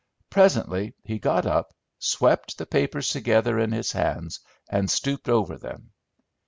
Presently he got up, swept the papers together in his hands, and stooped over them.